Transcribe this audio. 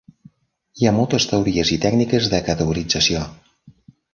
Hi ha moltes teories i tècniques de categorització.